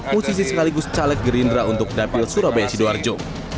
musisi sekaligus caleg gerindra untuk dapil surabaya sidoarjo